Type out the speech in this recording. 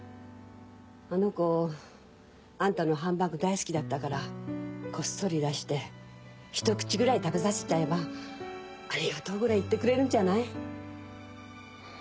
あの子あんたのハンバーグ大好きだったからこっそり出してひと口ぐらい食べさせちゃえば「ありがとう」ぐらい言ってくれるんじゃない？